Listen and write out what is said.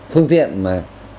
phương tiện mà